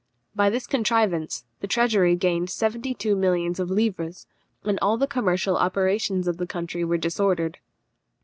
By this contrivance the treasury gained seventy two millions of livres, and all the commercial operations of the country were disordered.